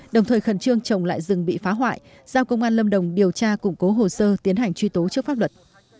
đồng thời khẩn trương trồng lại rừng bị phá hoại giao công an lâm đồng điều tra củng cố hồ sơ tiến hành truy tố trước pháp luật